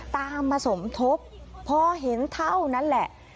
ตามมาสมทบพอเห็นเท่านั้นแหละ